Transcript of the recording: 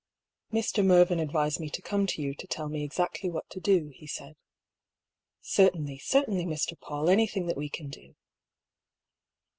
" Mr. Mervyn advised me to come to you to tell me exactly what to do," he said. " Certainly, certainly, Mr. PauU, anything that we can do."